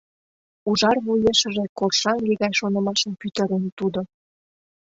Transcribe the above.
Ужар вуешыже коршаҥге гай шонымашым пӱтырен тудо.